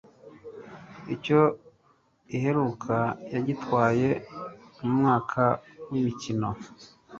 icyo iheruka yagitwaye mu mwaka w'imikino